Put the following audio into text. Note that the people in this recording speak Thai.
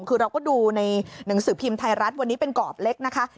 คือเราก็ดูในหนังสือพิมพ์ไทยรัฐวันนี้เป็นกรอบเล็กนะคะ